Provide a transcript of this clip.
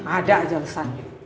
ada aja alesannya